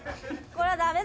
これダメ。